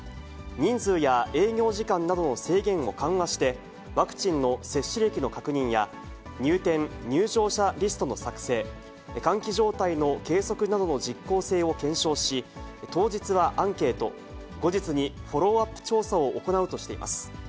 人数や営業時間などの制限を緩和して、ワクチンの接種歴の確認や、入店、入場者リストの作成、換気状態の計測などの実効性を検証し、当日はアンケート、後日にフォローアップ調査を行うとしています。